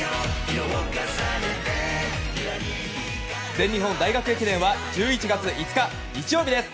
全日本大学駅伝は１１月５日、日曜日です。